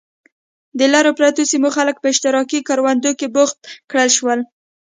د لرو پرتو سیمو خلک په اشتراکي کروندو کې بوخت کړل شول.